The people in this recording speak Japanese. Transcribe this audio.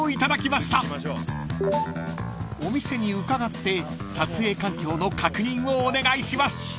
［お店に伺って撮影環境の確認をお願いします］